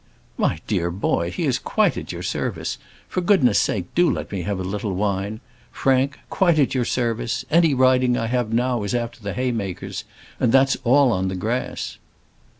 "My dear boy, he is quite at your service; for goodness' sake do let me have a little wine, Frank quite at your service; any riding I have now is after the haymakers, and that's all on the grass."